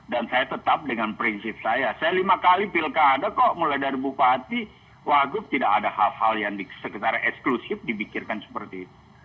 dan saya tetap dengan prinsip saya saya lima kali pilkada kok mulai dari bupati wakup tidak ada hal hal yang sekitar eksklusif dibikirkan seperti itu